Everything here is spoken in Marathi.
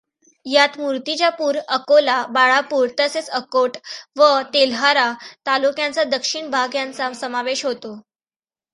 यात मुर्तिजापूर, अकोला, बाळापूर तसेच अकोट व तेल्हारा तालुक्यांचा दक्षिण भाग यांचा समावेश होतो.